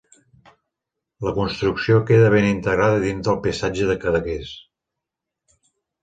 La construcció queda ben integrada dins del paisatge de Cadaqués.